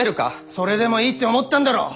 それでもいいって思ったんだろう！